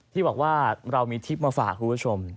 ที่บอกว่าเรามีทริปมาฝากคุณผู้ชม